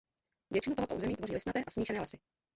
Většinu tohoto území tvoří listnaté a smíšené lesy.